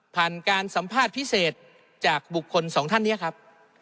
การสัมภาษณ์พิเศษจากบุคคลสองท่านนี้ครับ